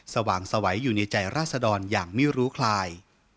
สว่างสวัยอยู่ในใจราศดรอย่างไม่รู้คลาย